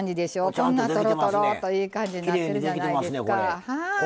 こんなとろとろっといい感じになってるじゃないですか。